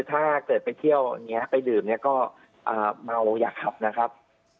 ถ้าเกิดไปเที่ยวไปดื่มก็เมาอยากขับนะครับ